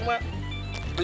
dijual seberang ini